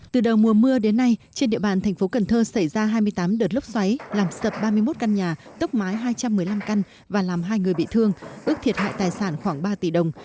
từ đầu mùa mưa đến nay trên địa bàn thành phố cần thơ xảy ra hai mươi tám đợt lốc xoáy làm sập ba mươi một căn nhà tốc mái hai trăm một mươi năm căn và làm hai người bị thương ước thiệt hại tài sản khoảng ba tỷ đồng